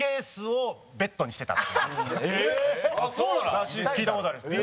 らしいです聞いた事あるんですよ